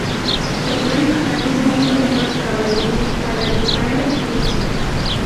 El rey organiza un torneo de caballería para distraer a su hija.